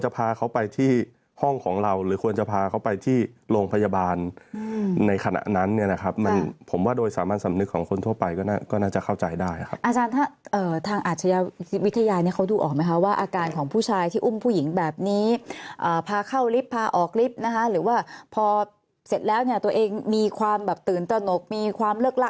พาเขาไปที่ห้องของเราหรือควรจะพาเขาไปที่โรงพยาบาลในขณะนั้นเนี่ยนะครับมันผมว่าโดยสามัญสำนึกของคนทั่วไปก็น่าจะเข้าใจได้ครับอาจารย์ถ้าทางอาชญาวิทยาเนี่ยเขาดูออกไหมคะว่าอาการของผู้ชายที่อุ้มผู้หญิงแบบนี้พาเข้าลิฟต์พาออกลิฟต์นะคะหรือว่าพอเสร็จแล้วเนี่ยตัวเองมีความแบบตื่นตนกมีความเลิกล้